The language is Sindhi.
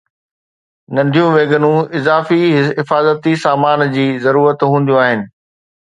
ننڍيون ويگنون اضافي حفاظتي سامان جي ضرورت هونديون آهن